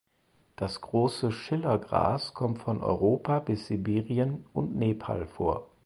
Das Große Schillergras kommt von Europa bis Sibirien und Nepal vor.